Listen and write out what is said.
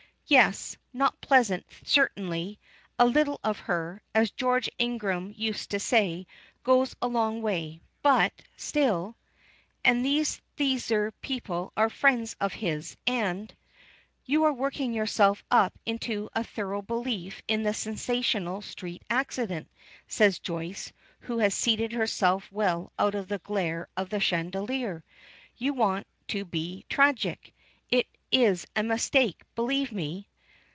"Yes. Not pleasant, certainly. A little of her, as George Ingram used to say, goes a long way. But still And these Thesiger people are friends of his, and " "You are working yourself up into a thorough belief in the sensational street accident," says Joyce, who has seated herself well out of the glare of the chandelier. "You want to be tragic. It is a mistake, believe me."